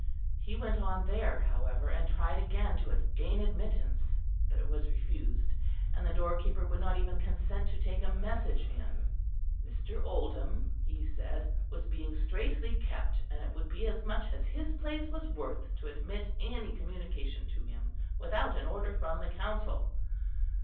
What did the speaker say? He went on there, however, and tried again to gain admittance, but it was refused, and the doorkeeper would not even consent to take a message in. Mr. Oldham, he said, was being straitly kept, and it would be as much as his place was worth to admit any communication to him without an order from the Council.